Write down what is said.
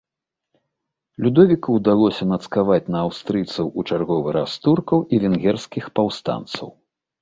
Людовіку ўдалося нацкаваць на аўстрыйцаў у чарговы раз туркаў і венгерскіх паўстанцаў.